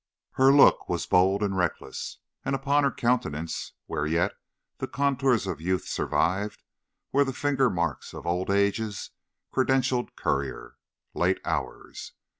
Her look was bold and reckless, and upon her countenance, where yet the contours of youth survived, were the finger marks of old age's credentialed courier, Late Hours.